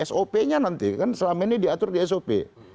sop nya nanti kan selama ini diatur di sop